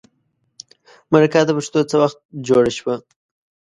مرکه د پښتو څه وخت جوړه شوه.